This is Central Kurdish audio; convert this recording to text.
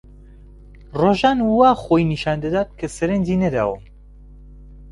ڕۆژان وا خۆی نیشان دەدا کە سەرنجی نەداوم.